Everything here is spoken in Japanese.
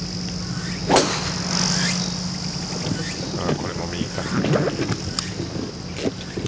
これも右かな。